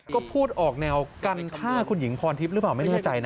ก็พูดออกแนวกันฆ่าคุณหญิงพรทิพย์หรือเปล่าไม่แน่ใจนะ